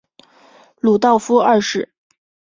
鲁道夫二世。